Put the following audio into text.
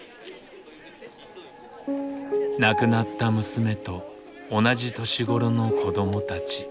亡くなった娘と同じ年頃の子どもたち。